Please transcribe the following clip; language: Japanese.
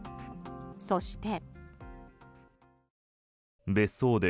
そして。